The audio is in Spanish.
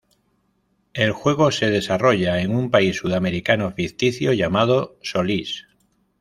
El juego se desarrolla en un país sudamericano ficticio llamado Solís.